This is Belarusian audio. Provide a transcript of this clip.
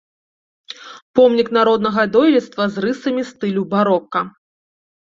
Помнік народнага дойлідства з рысамі стылю барока.